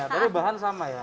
tapi bahan sama ya